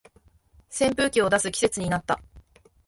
扇風機を出す季節になった